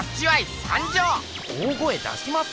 大声だします？